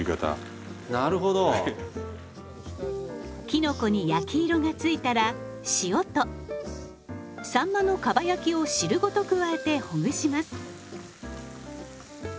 きのこに焼き色がついたら塩とさんまのかば焼きを汁ごと加えてほぐします。